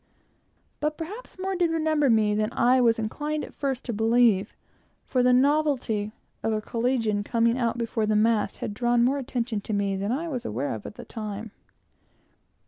But perhaps more did remember me than I was inclined at first to believe, for the novelty of a collegian coming out before the mast had drawn more attention to me than I was aware of at the time.